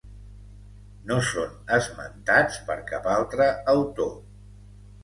No són esmentats per cap altre autor.